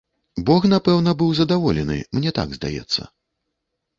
Бог напэўна быў задаволены, мне так здаецца.